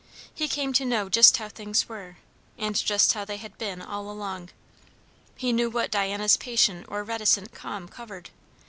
He came to know just how things were, and just how they had been all along. He knew what Diana's patient or reticent calm covered.